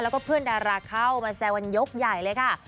แล้วก็เพื่อนดาราเข้ามาแซวกันยกใหญ่เลยค่ะ